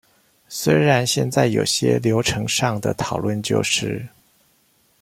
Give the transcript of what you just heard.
雖然現在有些流程上的討論就是